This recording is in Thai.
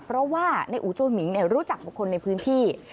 เพราะว่าในอูจัวหมิงรู้จักบุคคลในพื้นที่